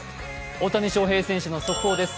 大谷翔平選手の速報です。